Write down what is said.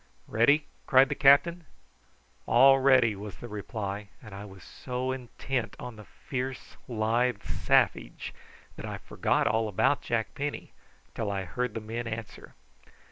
"Ready?" cried the captain. "All ready!" was the reply; and I was so intent upon the fierce lithe savage that I forgot all about Jack Penny till I heard the men answer.